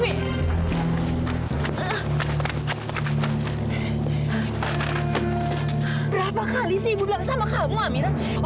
berapa kali sih ibu bilang sama kamu amira